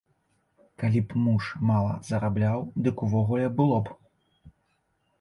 Калі б муж мала зарабляў, дык увогуле было б!